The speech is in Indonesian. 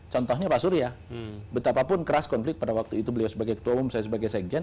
contohnya pak surya betapapun keras konflik pada waktu itu beliau sebagai ketua umum saya sebagai sekjen